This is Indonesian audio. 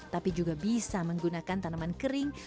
tapi juga bisa menggunakan tanaman kering